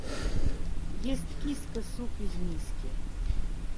Ест киска суп из миски.